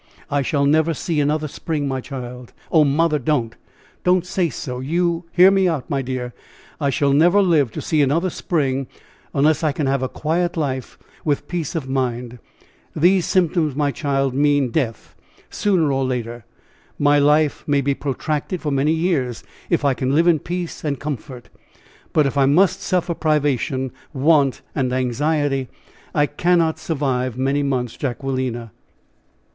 "I shall never see another spring, my child " "Oh, mother! don't! don't say so. You " "Hear me out, my dear; I shall never live to see another spring unless I can have a quiet life with peace of mind. These symptoms, my child, mean death, sooner or later. My life may be protracted for many years, if I can live in peace and comfort; but if I must suffer privation, want and anxiety, I cannot survive many months, Jacquelina."